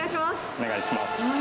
お願いします。